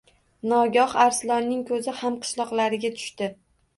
Nogoh Arslonning ko‘zi hamqishloqlariga tushdi.